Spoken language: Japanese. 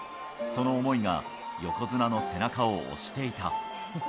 その思いが横綱の背中を押していた。